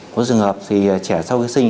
có một số trường hợp thì trẻ sau sinh